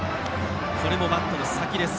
これもバットの先です。